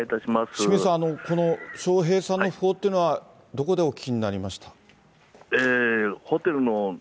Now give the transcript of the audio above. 清水さん、この笑瓶さんの訃報というのは、どこでお聞きになりました？